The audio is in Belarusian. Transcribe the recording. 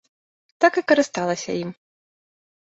Так і карысталася ім.